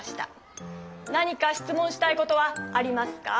何かしつもんしたいことはありますか？